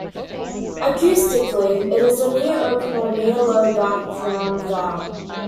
Acoustically, it is a "near-open" or "near-low back rounded vowel".